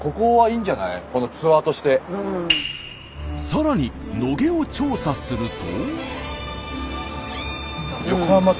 さらに野毛を調査すると。